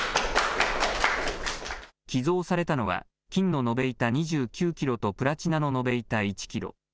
寄贈されたのは、金の延べ板２９キロとプラチナの延べ板１キロ。